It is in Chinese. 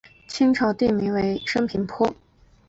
清朝定名为升平坡。